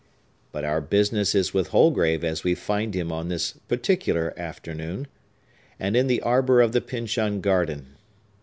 But our business is with Holgrave as we find him on this particular afternoon, and in the arbor of the Pyncheon garden.